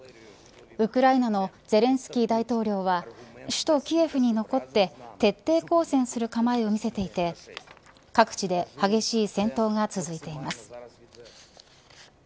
ウクライナのゼレンスキー大統領は首都キエフに残って徹底抗戦する構えを見せていて各地で激しい戦闘が続いています。